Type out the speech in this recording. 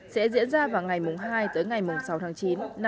sẽ diễn ra vào ngày mùng hai tới ngày mùng sáu tháng chín năm hai nghìn một mươi chín